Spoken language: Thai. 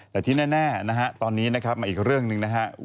แต่ที่แน่ตอนนี้มาอีกเรื่องนึงนะครับ